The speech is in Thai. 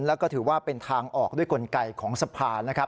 แล้วก็ถือว่าเป็นทางออกด้วยกลไกของสภานะครับ